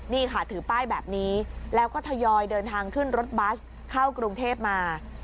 นี่ค่ะถือป้ายแบบนี้แล้วก็ทยอยเดินทางขึ้นรถบัสเข้ากรุงเทพมา